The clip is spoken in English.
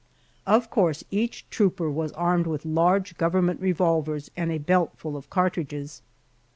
Of course each trooper was armed with large government revolvers and a belt full of cartridges.